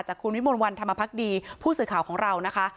คุณวิมลวันธรรมพักดีผู้สื่อข่าวของเรานะคะ